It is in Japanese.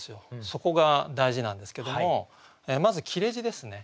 そこが大事なんですけどもまず切字ですね。